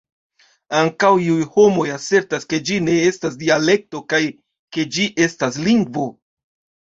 Ankaŭ iuj homoj asertas ke ĝi ne estas dialekto kaj ke ĝi estas lingvo.